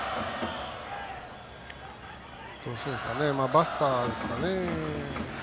バスターですかね。